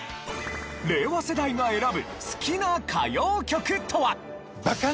令和世代が選ぶ好きな歌謡曲とは？